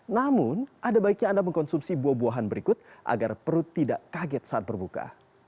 namun ada baiknya anda mengkonsumsi buah buahan berikut agar perut tidak kaget saat berbuka